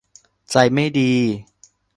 ใจไม่ดี